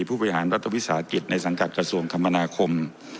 ผู้บริหารรัฐวิสาหกิจในสังกัดกระทรวงคมนาคม